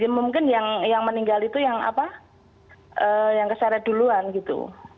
mungkin yang meninggal itu yang apa yang terserat duluan gitu